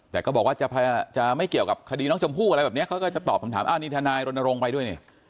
แต่ก็บอกว่าจะไม่เกี่ยวกับคดีน้องชมพู่อะไรแบบนี้เขาก็จะตอบคำถามอ้าวนี่ทนายรณรงค์ไปด้วยเนี่ย